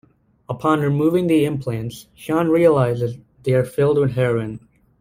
Upon removing the implants, Sean realizes they are filled with heroin.